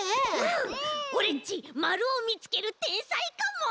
オレっちまるをみつけるてんさいかも！